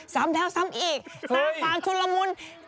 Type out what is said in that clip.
ซ้ำแท้วซ้ำอีกซ้ำฟางชุดละมุน